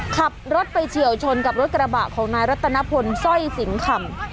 ขับรถไปเฉียวชนกับรถกระบะของนายรัตนพลสร้อยสิงคำ